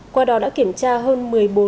qua đó đã kiểm tra hơn